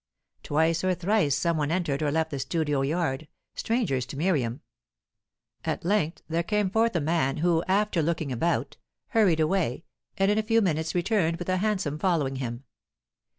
Twice or thrice some one entered or left the studio yard, strangers to Miriam. At length there came forth a man who, after looking about, hurried away, and in a few minutes returned with a hansom following him.